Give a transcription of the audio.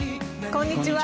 こんにちは。